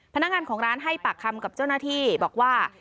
พนักงานของร้านให้ปากคำกับเจ้าหน้าที่บอกว่า